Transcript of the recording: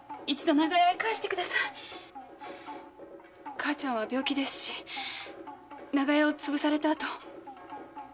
母ちゃんは病気ですし長屋を潰された後どうなるか心配で。